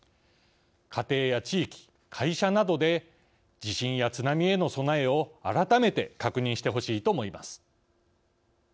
家庭や地域、会社などで地震や津波への備えを改めて確認してほしいと思います。